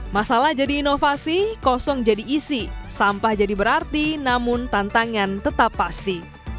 masalah jadi inovasi kosong jadi isi sampah jadi berarti namun tantangan tetap pasti